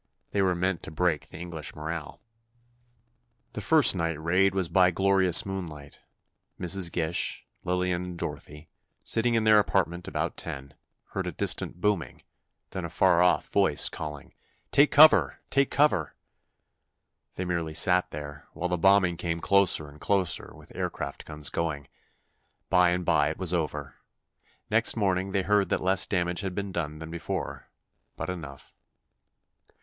They were meant to break the English morale. The first night raid was by glorious moonlight. Mrs. Gish, Lillian and Dorothy, sitting in their apartment about ten, heard a distant booming, then a far off voice calling: "Take cover—take cover!" They merely sat there, while the bombing came closer and closer, with aircraft guns going. By and by it was over. Next morning, they heard that less damage had been done than before, but enough.